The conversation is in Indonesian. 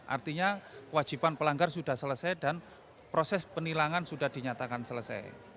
artinya kewajiban pelanggar sudah selesai dan proses penilangan sudah dinyatakan selesai